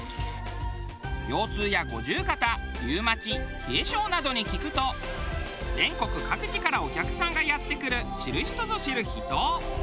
腰痛や五十肩リウマチ冷え症などに効くと全国各地からお客さんがやって来る知る人ぞ知る秘湯。